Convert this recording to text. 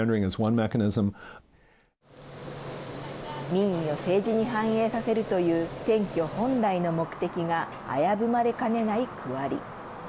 民意を政治に反映させるという選挙本来の目的が危ぶまれかねない区割り。